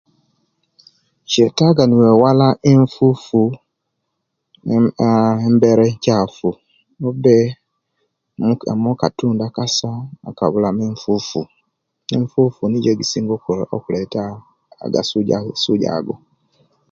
Kyetaga newewala enfufu eehm embera enkyafu obe muu mukatundu akasa akabulamu enfufu enfufu nijjo ejjisinga oku okuleta aga sujja sujja ago